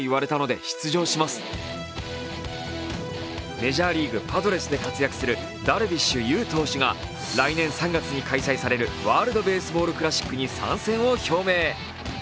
メジャーリーグ・パドレスで活躍するダルビッシュ有選手が来年３月に開催されるワールドベースボールクラシックに参戦を表明。